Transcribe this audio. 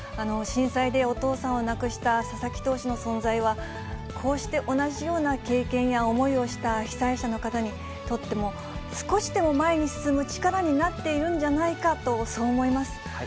震災でお父さんを亡くした佐々木投手の存在は、こうして同じような経験や思いをした被災者の方にとっても、少しでも前に進む力になっているんじゃないかと、そう思います。